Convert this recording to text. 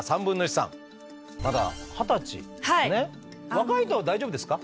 若いと大丈夫ですか？